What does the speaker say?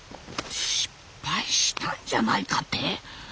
失敗したんじゃないかって？